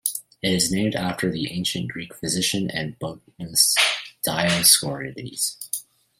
It is named after the ancient Greek physician and botanist Dioscorides.